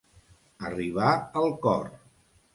Arribar al cor.